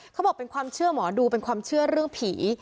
เขาบอกเป็นความเชื่อหมอดูเป็นความเชื่อเรื่องผี